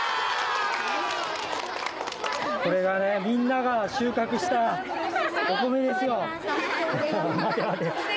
みんなが収穫したお米ですよ。